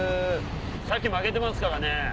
さっき負けてますからね。